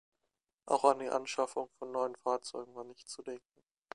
Auch an die Anschaffung von neuen Fahrzeugen war nicht zu denken.